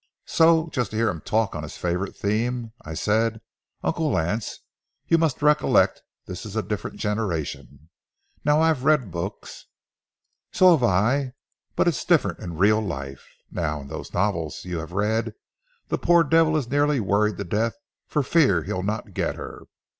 So, just to hear him talk on his favorite theme, I said: "Uncle Lance, you must recollect this is a different generation. Now, I've read books"— "So have I. But it's different in real life. Now, in those novels you have read, the poor devil is nearly worried to death for fear he'll not get her.